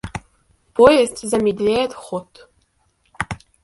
Поезд замедляет ход.